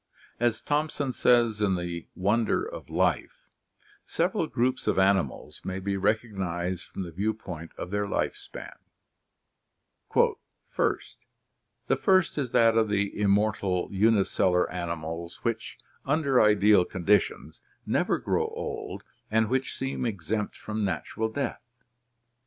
As Thomson says in The Wonder of Life, several groups of animals may be recognized from the view point of their life span: " (1) The first is that of the immortal unicellular animals which [under ideal conditions] never grow old and which seem exempt from natural death.